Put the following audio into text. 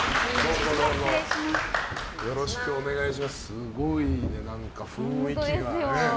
すごいね、何か雰囲気がね。